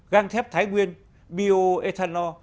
găng thép thái nguyên bio ethanol